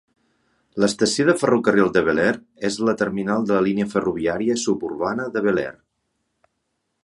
L'estació de ferrocarril de Belair és el terminal de la línia ferroviària suburbana de Belair.